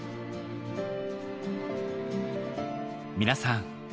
皆さん